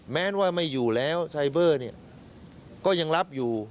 แม้ว่าไม่อยู่แล้วไซเบอร์เนี่ยก็ยังรับอยู่